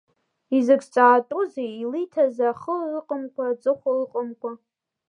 Изакә зҵаатәузеи илиҭаз, ахы ыҟамкәа, аҵыхәа ыҟамкәа?